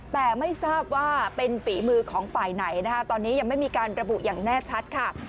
แต่ไม่ทราบว่าเป็นฝีมือของฝ่ายไหนนะคะตอนนี้ยังไม่มีการระบุอย่างแน่ชัดค่ะ